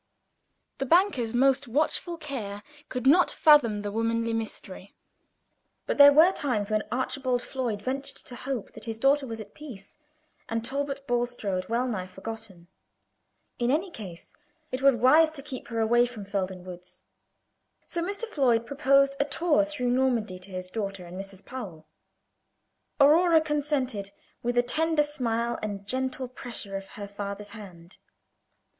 The banker's most watchful care could not fathom the womanly mystery; but there were times when Archibald Floyd ventured to hope that his daughter was at peace, and Talbot Bulstrode wellnigh forgotten. In any case, it was wise to keep her away from Felden Woods; so Mr. Floyd proposed a tour through Normandy to his daughter and Mrs. Powell. Aurora consented, with a tender smile and gentle pressure of her father's hand.